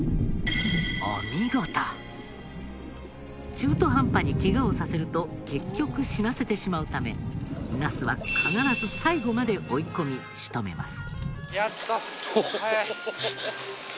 中途半端にケガをさせると結局死なせてしまうためナスは必ず最後まで追い込み仕留めます。